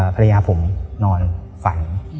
ภรรยาผมนอนฝัน